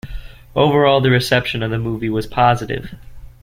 Overall, the reception of the movie was positive.